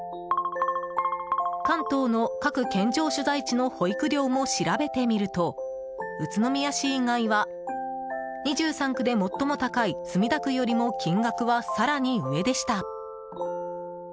関東の各県庁所在地の保育料も調べてみると宇都宮市以外は２３区で最も高い墨田区よりも金額は更に上でした。